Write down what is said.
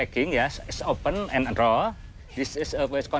ขอบัดล่ะนะครับ